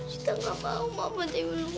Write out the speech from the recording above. sita nggak paul mama dewi lumpuh